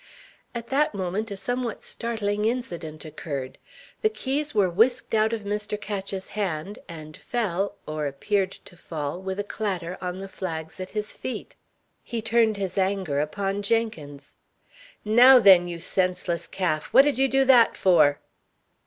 At that moment a somewhat startling incident occurred. The keys were whisked out of Mr. Ketch's hand, and fell, or appeared to fall, with a clatter on the flags at his feet. He turned his anger upon Jenkins. "Now then, you senseless calf! What did you do that for?"